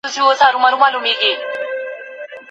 نه یوازي په غټ والي